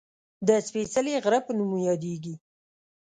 د "سپېڅلي غره" په نوم یادېږي